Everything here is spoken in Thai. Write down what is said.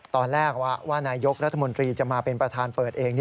ตอนแรกว่านายกรัฐมนตรีจะมาเป็นประธานเปิดเอง